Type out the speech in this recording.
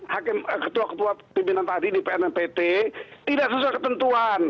dan ketua ketua pimpinan tadi di pn dan pt tidak sesuai ketentuan